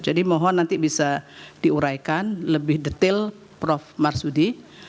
jadi mohon nanti bisa diuraikan lebih detail prof marsudi